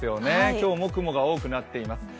今日も雲が多くなっています。